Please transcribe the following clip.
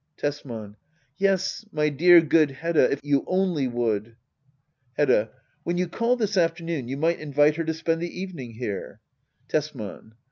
Tesman. Yes^ my dear^ good Hedda^ if you only would ! Hedda. When you call this afternoon^ you might invite her to spend the evening here. Tesman.